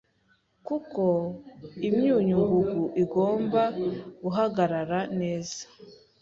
kuko imyunyu ngugu igomba guhagarara neza